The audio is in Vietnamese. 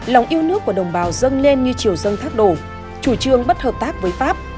lòng yêu nước của đồng bào dâng lên như chiều dân thác đổ chủ trương bất hợp tác với pháp